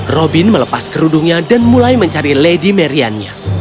robin melepas kerudungnya dan mulai mencari lady mariannya